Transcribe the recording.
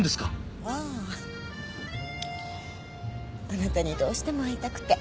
あなたにどうしても会いたくて。